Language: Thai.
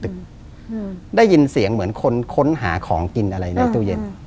ได้ยินเสียงเหมือนคนค้นหาของกินอะไรในตู้เย็น